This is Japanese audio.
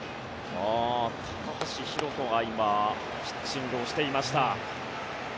高橋宏斗が今ピッチングをしていました。